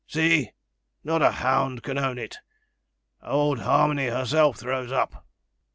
See! not a hound can own it. Old Harmony herself throws up.